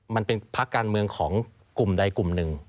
มันเป็นพักการเมืองของกลุ่มใดกลุ่มหนึ่ง